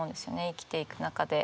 生きていく中で。